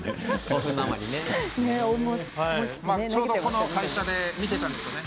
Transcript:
ちょうど、この会社で見ていたんですよね。